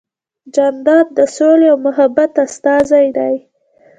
جانداد د سولې او محبت استازی دی.